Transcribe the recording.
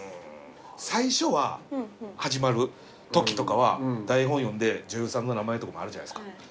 最初は始まるときとかは台本読んで女優さんの名前とかもあるじゃないですか。